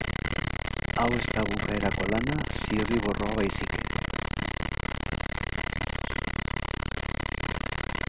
Hau ez da bukaerako lana, zirriborroa, baizik.